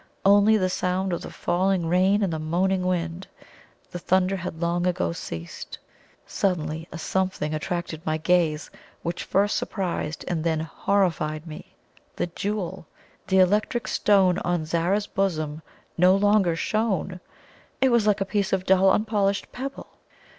Only the sound of the falling rain and the moaning wind the thunder had long ago ceased. Suddenly a something attracted my gaze, which first surprised and then horrified me. The jewel the electric stone on Zara's bosom no longer shone! It was like a piece of dull unpolished pebble.